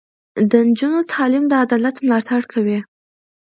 د نجونو تعلیم د عدالت ملاتړ کوي.